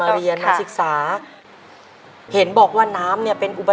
ในแคมเปญพิเศษเกมต่อชีวิตโรงเรียนของหนู